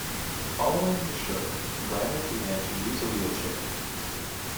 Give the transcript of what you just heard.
Following the stroke, Branner began to use a wheelchair.